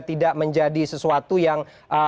tidak menjadi sesuatu yang